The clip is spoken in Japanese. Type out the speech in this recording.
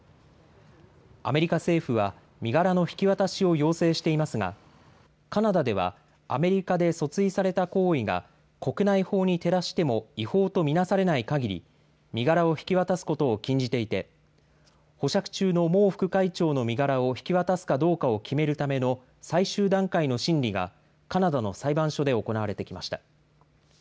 アメリカ政府は身柄の引き渡しを要請していますがカナダではアメリカで訴追された行為が国内法に照らしても違法と見なされないかぎり身柄を引き渡すことを禁じていて保釈中の孟副会長の身柄を引き渡すかどうかを決めるための最終段階の審理がカナダの裁判所で行われてきました。